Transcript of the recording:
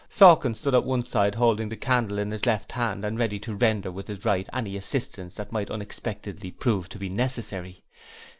Sawkins stood at one side holding the candle in his left hand and ready to render with his right any assistance that might unexpectedly prove to be necessary.